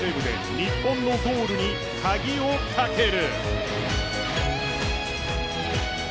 日本のゴールに鍵をかける。